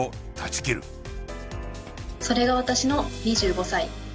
それが私の２５歳。